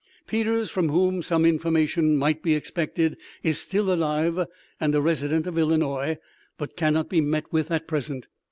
Peters, from whom some information might be expected, is still alive, and a resident of Illinois, but cannot be met with at present.